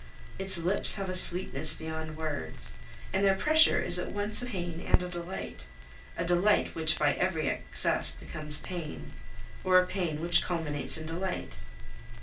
Its lips have a sweetness beyond words, and their pressure is at once a pain and a delight, a delight which by every excess becomes pain, or a pain which culminates in delight.